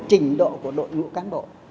trình độ của đội ngũ cán bộ